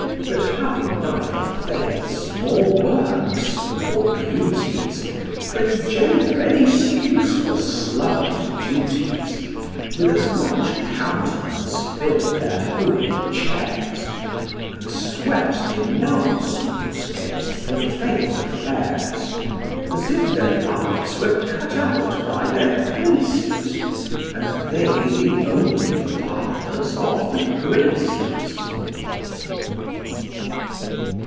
That having neither faiths, nor works, nor beauties, T' engender any 'scuse for slubber'd duties, With as much countenance fill their holy chairs, And sweat denouncements 'gainst profane affairs, As if their lives were cut out by their places, And they the only fathers of the graces.